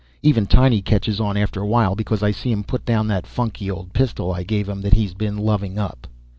Even Tiny catches on after a while, because I see him put down that funky old pistol I gave him that he's been loving up.